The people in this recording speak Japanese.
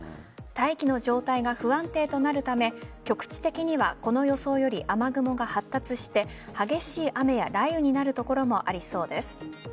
大気の状態が不安定となるため局地的にはこの予想より雨雲が発達して激しい雨や雷雨になる所もありそうです。